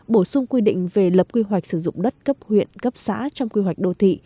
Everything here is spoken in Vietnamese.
bổ sung quy định về lập quy hoạch sử dụng đất cấp huyện cấp xã trong quy hoạch đô thị